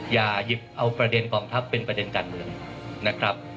อย่าหยิบเอาประเด็นกองทัพเป็นประเด็นการเมืองนะครับ